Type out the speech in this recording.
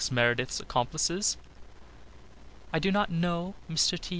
Meredith's accomplices!" "I do not know Mr. T.